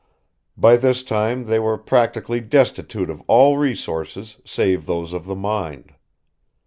By this time they were practically destitute of all resources save those of the mind.